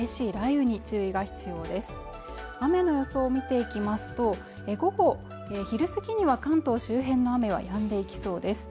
雨の予想見ていきますと午後昼過ぎには関東周辺の雨はやんでいきそうです